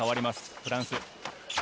フランス。